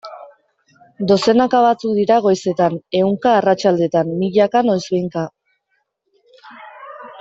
Dozenaka batzuk dira goizetan, ehunka arratsaldetan, milaka noizbehinka...